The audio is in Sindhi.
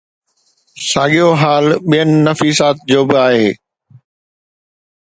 ساڳيو حال ٻين نفيسات جو به آهي.